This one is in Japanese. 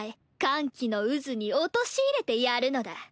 歓喜の渦に陥れてやるのだ。